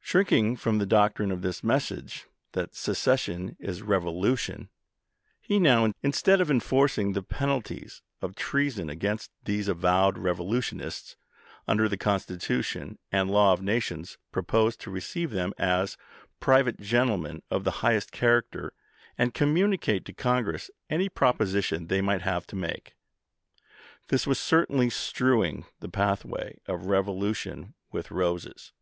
Shrinking from the doctrine of his message that " secession is revolu tion," he now, instead of enforcing the penalties of treason against these avowed revolutionists, under the Constitution and law of nations, proposed to to^omS receive them as " private gentlemen of the highest DeSiieo. character," and communicate to Congress any prop ii, p. 1150 ' osition they might have to make. This was certainly strewing the pathway of rev olution with roses.